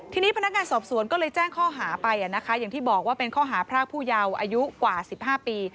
ทีนี้พนักงานสอบสวนก็เลยแจ้งข้อหาไปอย่างที่บอกว่าเป็นข้อหาพรากผู้เยาว์อายุกว่า๑๕ปี